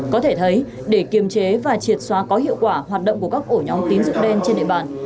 có thể thấy để kiềm chế và triệt xóa có hiệu quả hoạt động của các ổ nhóm tín dụng đen trên địa bàn